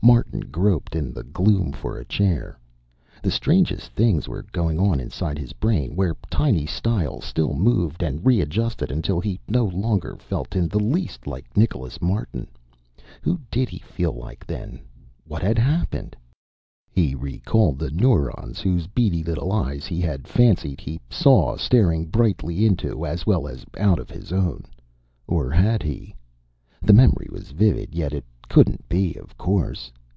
Martin groped in the gloom for a chair. The strangest things were going on inside his brain, where tiny stiles still moved and readjusted until he no longer felt in the least like Nicholas Martin. Who did he feel like, then? What had happened? He recalled the neurons whose beady little eyes he had fancied he saw staring brightly into, as well as out of, his own. Or had he? The memory was vivid, yet it couldn't be, of course.